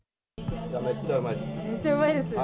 めっちゃうまいです。